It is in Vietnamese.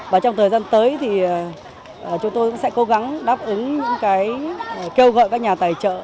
và trong thời gian tới thì chúng tôi cũng sẽ cố gắng đáp ứng những cái kêu gọi các nhà tài trợ